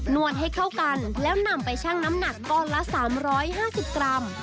วดให้เข้ากันแล้วนำไปชั่งน้ำหนักก้อนละ๓๕๐กรัม